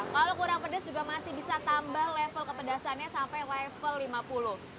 kalau kurang pedas juga masih bisa tambah level kepedasannya sampai level lima puluh